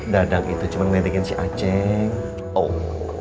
dadang itu cuma ngelidikin si aceh